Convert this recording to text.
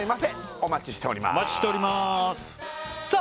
お待ちしておりますさあ！